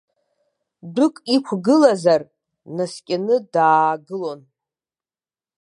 Дәык иқәгылазар, днаскьаны даагылон.